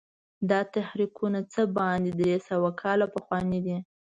دا تحریکونه څه باندې درې سوه کاله پخواني دي.